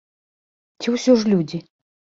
Ці ўсё ж людзі?